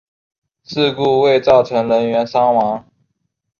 事故未造成人员伤亡。